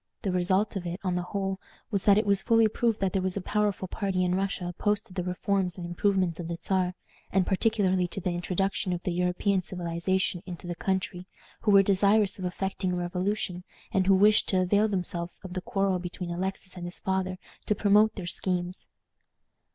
The result of it, on the whole, was, that it was fully proved that there was a powerful party in Russia opposed to the reforms and improvements of the Czar, and particularly to the introduction of the European civilization into the country, who were desirous of effecting a revolution, and who wished to avail themselves of the quarrel between Alexis and his father to promote their schemes.